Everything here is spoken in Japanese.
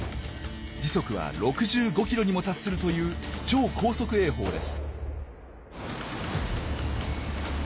時速は６５ｋｍにも達するという超高速泳法です。